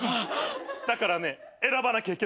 だからね選ばなきゃいけないの。